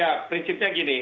jadi prinsipnya gini